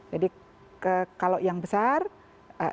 jadi kalau izin keamanan izin lingkungan itu ditiadakan